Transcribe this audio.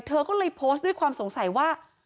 เธอก็เลยโพสต์ด้วยความสงสัยว่า